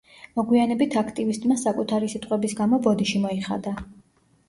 მოგვიანებით აქტივისტმა საკუთარი სიტყვების გამო ბოდიში მოიხადა.